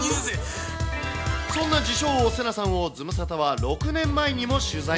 そんな自称王、セナさんをズムサタは６年前にも取材。